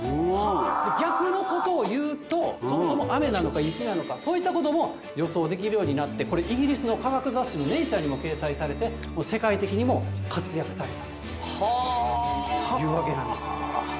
逆のことを言うと、そもそも雨なのか、雪なのか、そういったことも予想できるようになって、これ、イギリスの科学雑誌のネイチャーにも掲載されて、世界的にも活躍されたというわけなんです。